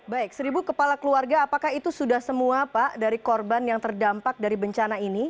baik seribu kepala keluarga apakah itu sudah semua pak dari korban yang terdampak dari bencana ini